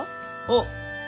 あっ！